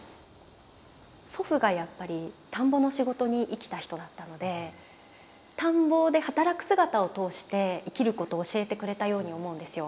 祖父がやっぱり田んぼの仕事に生きた人だったので田んぼで働く姿を通して生きることを教えてくれたように思うんですよ。